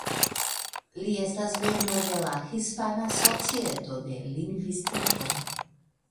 Li estas membro de la Hispana Societo de Lingvistiko.